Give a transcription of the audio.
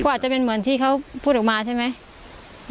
ก็อาจจะเป็นเหมือนที่เขาพูดออกมาใช่ไหม